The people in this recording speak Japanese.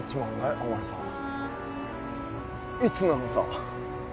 お前さんいつなのさ？